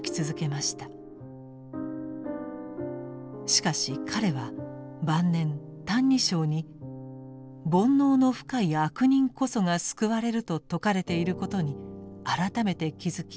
しかし彼は晩年「歎異抄」に「煩悩の深い悪人こそが救われる」と説かれていることに改めて気付き